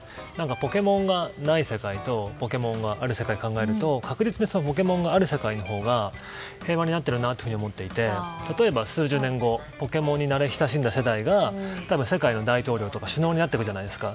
「ポケモン」がない世界と「ポケモン」がある世界を考えると確実に「ポケモン」がある世界のほうが平和になっているなと思っていて例えば数十年後「ポケモン」に慣れ親しんだ人が世界の首相になるわけじゃないですか。